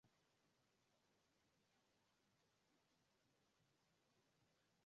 kitendo chake cha kufanya mkutano na waandishi wa habari mjini Dodoma akionekana mgonjwaIngawa